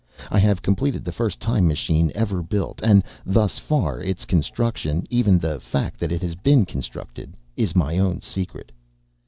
I have completed the first time machine ever built and thus far, its construction, even the fact that it has been constructed, is my own secret.